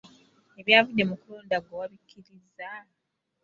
Ebyavudde mu kulonda ggwe wabikkirizza?